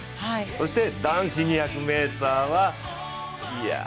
そして男子２００ｍ。